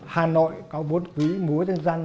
hà nội có vốn quý múa dân dân